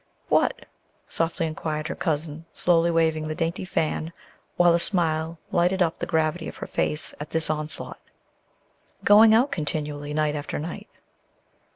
"What?" softly inquired her cousin, slowly waving the dainty fan, while a smile lighted up the gravity of her face at this onslaught. "Going out continually night after night."